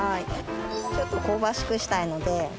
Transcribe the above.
ちょっと香ばしくしたいので。